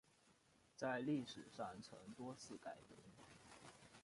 在历史上曾多次改名。